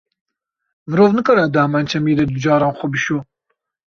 Mirov nikare di heman çemî de du caran xwe bişo.